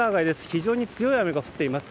非常に強い雨が降っています。